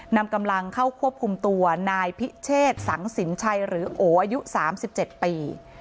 นำกำลังเข้าควบคุมตัวนายพิเชษสังสินชัยหรือโออายุ๓๗ปี